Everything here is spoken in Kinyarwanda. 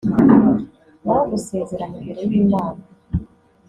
naho gusezerana imbere y’Imana